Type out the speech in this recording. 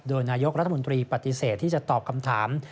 โดยนายกรัฐมนตรีปฏิเสธที่จะตอบคำถาม